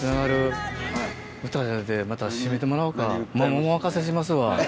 お任せしますわ。